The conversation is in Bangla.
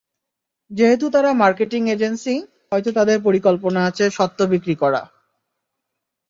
যেহেতু তারা মার্কেটিং এজেন্সি, হয়তো তাদের পরিকল্পনা আছে স্বত্ব বিক্রি করা।